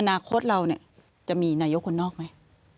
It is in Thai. อนาคตเราเนี่ยจะมีนายกคนนอกไหม